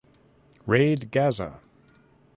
Raid Gaza!